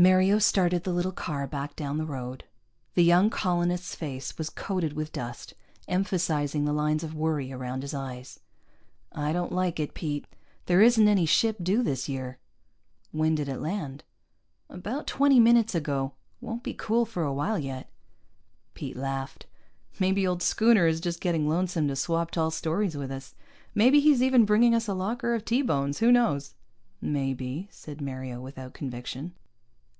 Mario started the little car back down the road. The young colonist's face was coated with dust, emphasizing the lines of worry around his eyes. "I don't like it, Pete. There isn't any ship due this year." "When did it land?" "About twenty minutes ago. Won't be cool for a while yet." Pete laughed. "Maybe Old Schooner is just getting lonesome to swap tall stories with us. Maybe he's even bringing us a locker of T bones. Who knows?" "Maybe," said Mario without conviction.